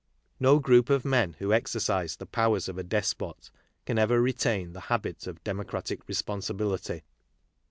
No group of men who exercise the powers of a despot can ever retain the habit of democratic responsibility.